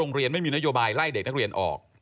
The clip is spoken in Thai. โรงเรียนไม่มีนโยบายไล่เด็กนักเรียนออก